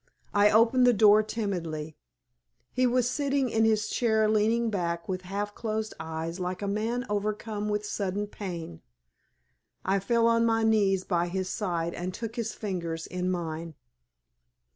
I opened the door timidly. He was sitting in his chair leaning back with half closed eyes like a man overcome with sudden pain. I fell on my knees by his side and took his fingers in mine.